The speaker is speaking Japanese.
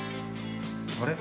あれ？